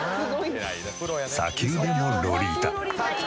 砂丘でもロリータ。